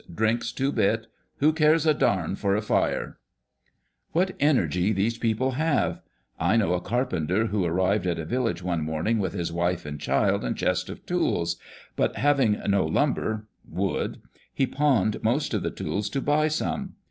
Drinks two bits. Who cares a darn for a fire !" What energy these people have ! I know a carpenter who arrived in a village one morning with his wife and child and chest of tools, but having no "lumber" (wood), he pawned most of the tools to buy some.